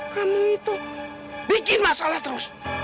kamu itu bikin masalah terus